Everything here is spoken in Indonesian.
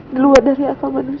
di luar dari akal manusia